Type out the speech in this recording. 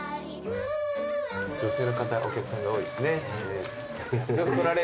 女性の方お客さんが多いですね。